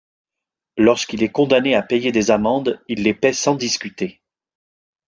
Lorsqu'il est condamné à payer des amendes, il les paye sans discuter.